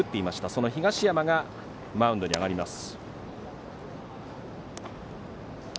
その東山がマウンドに上がります。